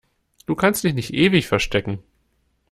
Du kannst dich nicht ewig verstecken!